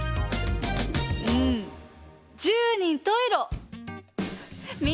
うん十人十色。